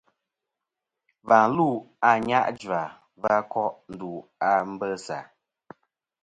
Và lu a Anyajua va ko' ndu a Mbessa.